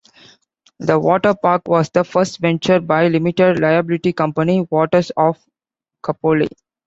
The water park was the first venture by limited liability company, Waters of Kapolei.